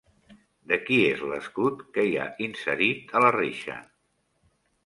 De qui és l'escut que hi ha inserit a la reixa?